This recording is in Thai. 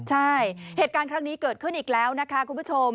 ใช่เหตุการณ์ครั้งนี้เกิดขึ้นอีกแล้วนะคะคุณผู้ชม